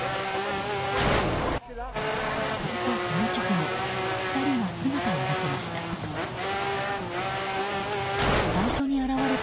すると、その直後２人が姿を見せました。